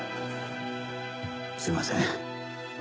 すいません。